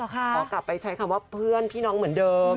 ขอกลับไปใช้คำว่าเพื่อนพี่น้องเหมือนเดิม